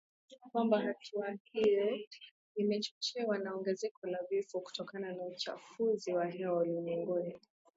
kwamba hatua hiyo imechochewa na ongezeko la vifo kutokana na uchafuzi wa hewa ulimwenguni